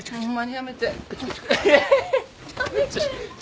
やめて。